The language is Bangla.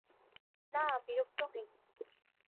না, বিরক্ত হইনি।